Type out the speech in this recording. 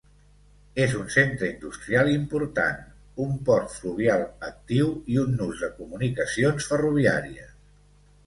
És un centre industrial important, un port fluvial actiu i un nus de comunicacions ferroviàries.